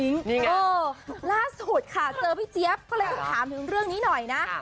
นี่ไงเออล่าสุดค่ะเจอพี่เจฟก็เลยต้องถามถึงเรื่องนี้หน่อยนะครับ